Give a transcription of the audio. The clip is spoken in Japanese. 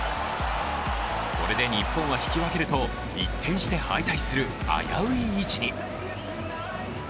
これで日本は引き分けると一転して敗退する危うい位置に。